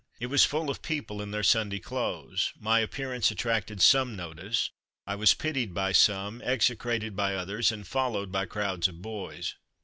It was full of people in their Sunday clothes. My appearance attracted some notice, I was pitied by some, execrated by others, and followed by crowds of boys.